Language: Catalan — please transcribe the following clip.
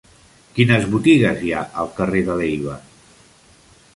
Quines botigues hi ha al carrer de Leiva?